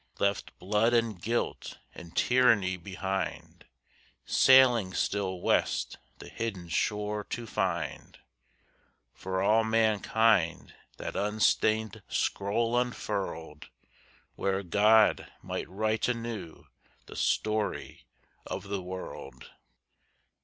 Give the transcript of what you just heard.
Left blood and guilt and tyranny behind, Sailing still West the hidden shore to find; For all mankind that unstained scroll unfurled, Where God might write anew the story of the World.